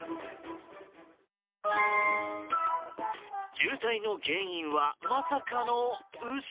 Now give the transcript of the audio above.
渋滞の原因は、まさかの牛？